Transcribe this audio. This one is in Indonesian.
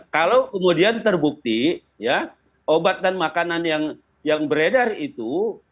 kalau kemudian terbukti ya obat dan makanan yang beredar itu